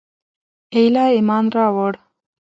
ایله ایمان راووړ.